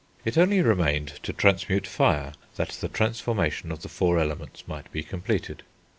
It only remained to transmute fire that the transmutation of the four elements might be completed.